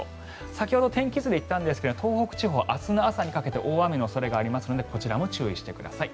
先ほど天気図で言ったんですが東北地方は明日の朝にかけて大雨の恐れがありますのでこちらも注意してください。